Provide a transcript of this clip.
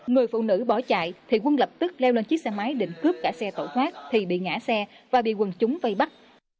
người phụ nữ bỏ chạy thì quân lập tức leo lên chiếc xe máy định cướp cả xe tẩu thoát thì bị ngã xe và bị quân chúng vây bắt